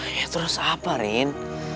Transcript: ya terus apa rin